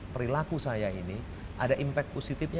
perilaku saya ini ada impact positifnya